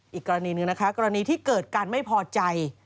อีกกรณีหนึ่งนะคะกรณีที่เกิดการไม่พอใจ